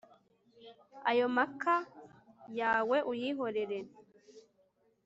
ayo maka yawe uyihorere